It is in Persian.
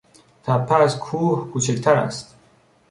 تپه از کوه کوچکتر است.